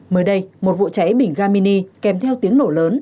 mới đây một vụ cháy bình ga mini kèm theo tiếng nổ lớn